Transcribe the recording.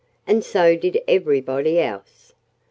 And so did everybody else.